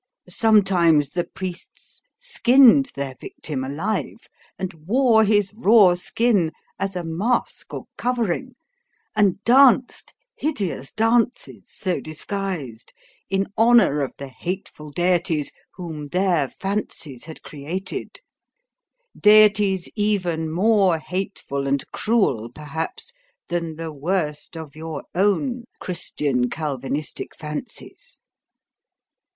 Sometimes the priests skinned their victim alive, and wore his raw skin as a mask or covering, and danced hideous dances, so disguised, in honour of the hateful deities whom their fancies had created deities even more hateful and cruel, perhaps, than the worst of your own Christian Calvinistic fancies.